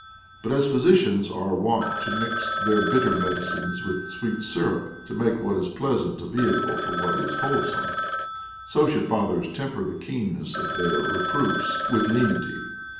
But as physicians are wont to mix their bitter medicines with sweet syrups, to make what is pleasant a vehicle for what is wholesome, so should fathers temper the keenness of their reproofs with lenity.